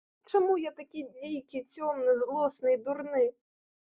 Чаму я такі дзікі, цёмны, злосны і дурны?